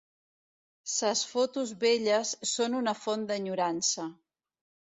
Ses fotos velles són una font d'enyorança